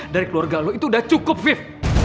dari keluarga lu itu udah cukup vief